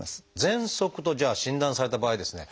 「ぜんそく」とじゃあ診断された場合ですね